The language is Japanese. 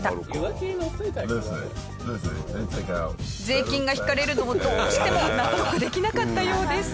税金が引かれるのをどうしても納得できなかったようです。